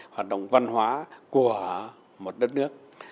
hoạt động văn hóa của một đất nước